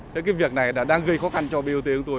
thế cái việc này đã đang gây khó khăn cho bot của tôi